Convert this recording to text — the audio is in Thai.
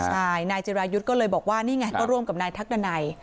ใช่นายจิรายุทธ์ก็เลยบอกว่านี่ไงก็ร่วมกับนายทักดันัย